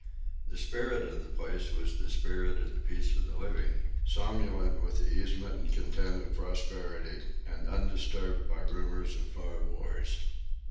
The spirit of the place was the spirit of the peace of the living, somnolent with the easement and content of prosperity, and undisturbed by rumors of far wars.